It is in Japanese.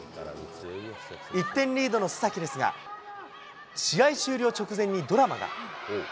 １点リードの須崎ですが、試合終了直前にドラマが。